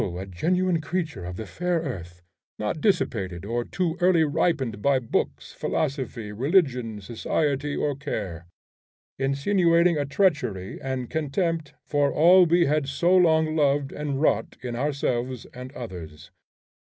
a genuine creature of the fair earth, not dissipated or too early ripened by books, philosophy, religion, society, or care!' insinuating a treachery and contempt for all we had so long loved and wrought in ourselves and others.